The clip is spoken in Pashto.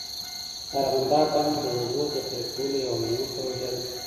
د ارغنداب بند د اوبو ذخیره کولو یوه مهمه پروژه ده.